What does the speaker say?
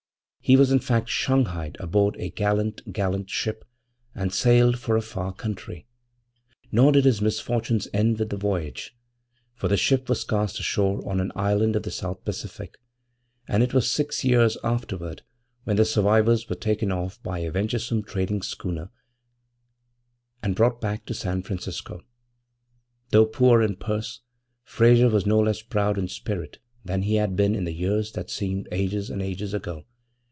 He was in fact 'shanghaied' aboard a gallant, gallant ship, and sailed for a far countree. Nor did his misfortunes end with the voyage; for the ship was cast ashore on an island of the South Pacific, and it was six years afterward when the survivors were taken off by a venturesome trading schooner and brought back to San Francisco. Though poor in purse, Frayser was no less proud in spirit than he had been in the years that seemed ages and ages ago.